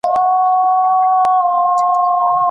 ټولنه پوهه غواړي.